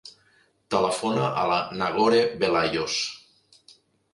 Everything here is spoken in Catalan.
Telefona a la Nagore Velayos.